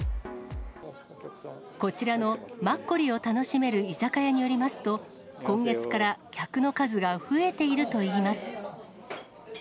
こちらのマッコリを楽しめる居酒屋によりますと、今月から客の数が増えているといいます。